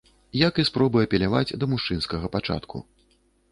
Як і спробы апеляваць да мужчынскага пачатку.